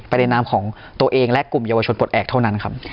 ในนามของตัวเองและกลุ่มเยาวชนปลดแอบเท่านั้นครับ